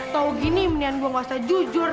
tau gini mendingan gue gak usah jujur